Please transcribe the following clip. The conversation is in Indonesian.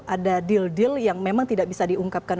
ada deal deal yang memang tidak bisa diungkapkan